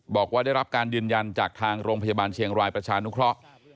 บอกว่าได้รับการยืนยันจากทางโรงพยาบาลเชียงรายประชานุเคราะห์